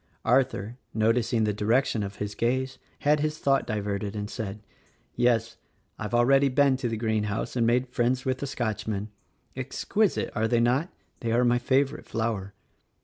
Arthur, noticing the direction of his gaze, had his thought diverted and said, "Yes: I've already been to the greenhouse and made friends with the Scotchman. Ex quisite, are they not. They are my favorite flower."